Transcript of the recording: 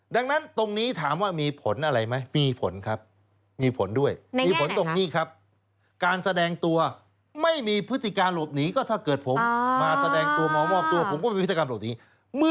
ดังนั้นตรงนี้ถามว่ามีผลอะไรไหม